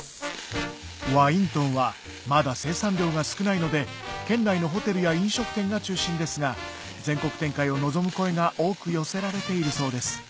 ワイントンはまだ生産量が少ないので県内のホテルや飲食店が中心ですが全国展開を望む声が多く寄せられているそうです